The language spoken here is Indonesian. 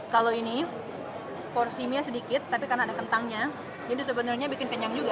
kalau ini porsi mie sedikit tapi karena ada kentangnya jadi sebenarnya bikin kenyang juga